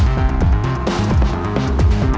จด